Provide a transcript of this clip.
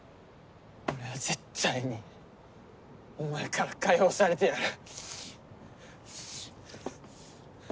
俺は絶対にお前から解放されてやる。